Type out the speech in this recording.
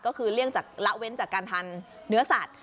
ก็คือเลี่ยงจากละเว้นจากการทานเนื้อสัตว์